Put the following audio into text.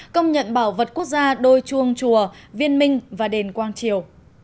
công nhận bảo vật quốc gia đôi chuông chùa viên minh và đền quang triều